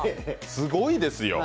すごいですよ。